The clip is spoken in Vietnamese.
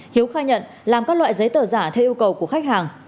hiếu khai nhận làm các loại giấy tờ giả theo yêu cầu của khách hàng